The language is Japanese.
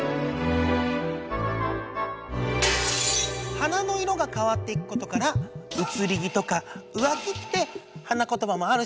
花の色が変わっていくことから「うつり気」とか「浮気」って花言葉もあるしん！